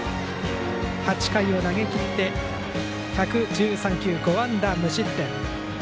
８回を投げ切って１１３球、５安打無失点。